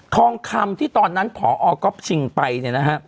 ทองคำที่ตอนนั้นพอก๊อฟชิงไปเนี่ยนะฮะ